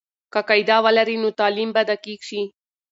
که قاعده ولري، نو تعلیم به دقیق وي.